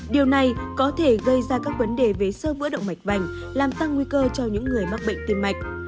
điều này có thể gây ra các vấn đề về sơ vữa động mạch vành làm tăng nguy cơ cho những người mắc bệnh tim mạch